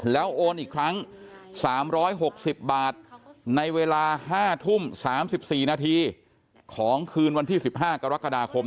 แล้วโอนอีกครั้ง๓๖๐บาทในเวลา๕ทุ่ม๓๔นาทีของคืนวันที่๑๕กรกฎาคม